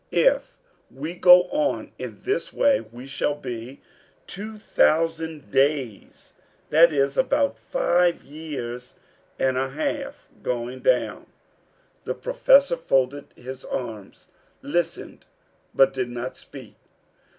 If we go on in this way we shall be two thousand days, that is about five years and a half, going down." The Professor folded his arms, listened, but did not speak.